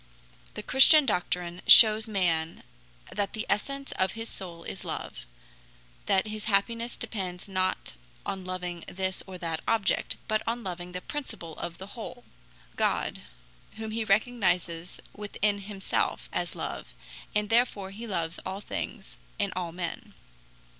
The Christian doctrine shows man that the essence of his soul is love that his happiness depends not on loving this or that object, but on loving the principle of the whole God, whom he recognizes within himself as love, and therefore he loves all things and all men.